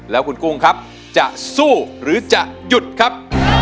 แล้วคุณกุ้งครับจะสู้หรือจะหยุดครับ